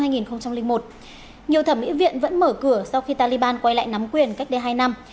nhiều thẩm mỹ viện vẫn mở cửa sau khi taliban quay lại nắm quyền cách đây hai năm